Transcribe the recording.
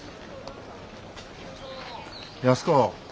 安子。